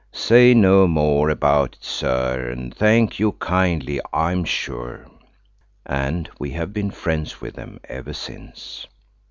Say no more about it, sir, and thank you kindly, I'm sure." And we have been friends with them ever since.